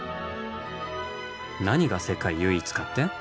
何が世界唯一かって？